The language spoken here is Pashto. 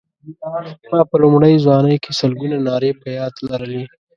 ما په لومړۍ ځوانۍ کې سلګونه نارې په یاد لرلې.